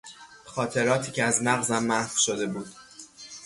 خاطراتی که از مغزم محو شده بود